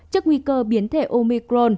trước nguy cơ biến thể omicron